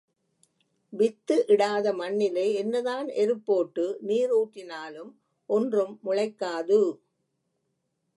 With இடாத மண்ணிலே என்னதான் எருப்போட்டு, நீர் ஊற்றினாலும் ஒன்றும் முளைக்காது.